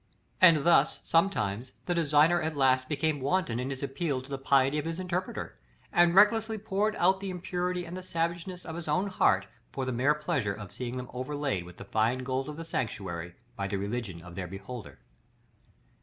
And thus, sometimes, the designer at last became wanton in his appeal to the piety of his interpreter, and recklessly poured out the impurity and the savageness of his own heart, for the mere pleasure of seeing them overlaid with the fine gold of the sanctuary, by the religion of their beholder.